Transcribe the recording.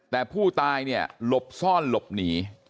แต่ผู้ตายเนี่ยหลบซ่อนหลบหนี